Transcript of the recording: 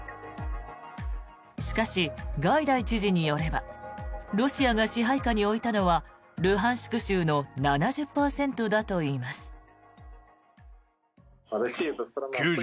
しかしガイダイ知事によればロシアが支配下に置いたのはルハンシク州の７０％だといいます。